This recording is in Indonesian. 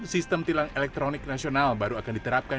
sistem tilang elektronik nasional baru akan diterapkan